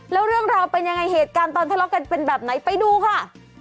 แล้วเรื่องราวเป็นยังไงเหตุการณ์ตอนทะเลาะกันเป็นแบบไหนไปดูค่ะ